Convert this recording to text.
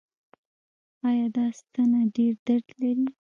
ایا دا ستنه ډیر درد لري؟